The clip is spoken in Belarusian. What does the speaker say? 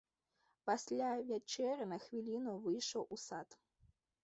Пасля вячэры на хвіліну выйшаў у сад.